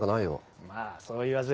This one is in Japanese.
まあそう言わず。